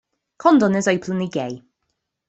Condon is openly gay.